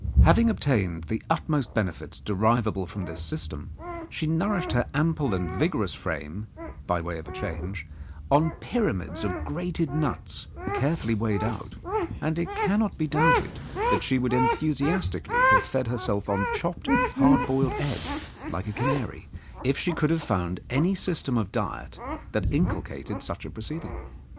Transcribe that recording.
Having obtained the utmost benefits deriv able from this system, she nourished her ample and vigorous frame, by way of a change, on pyramids of grated nuts, carefully weighed out, and it cannot be doubted that she would enthusiastically have fed her self on chopped up hard boiled egg, like a canary, if she could have found any system of diet that in culcated such a proceeding.